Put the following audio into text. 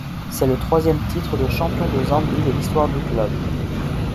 C'est le troisième titre de champion de Zambie de l'histoire du club.